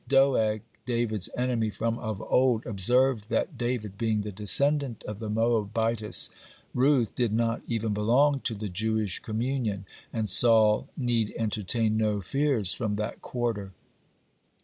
Doeg, David's enemy from of old, observed that David, being the descendant of the Moabitess Ruth, did not even belong to the Jewish communion, and Saul need entertain no fears from that quarter.